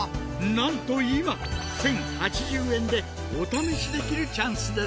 なんと今１，０８０円でお試しできるチャンスです！